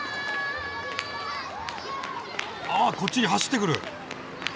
あこっちに走ってくる。